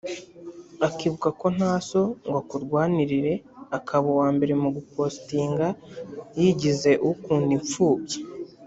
akibuka ko nta So ngo akurwanirire akaba uwambere mu gupostinga yigize ukunda imfubyi